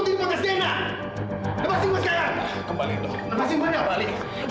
lepasin gua sekarang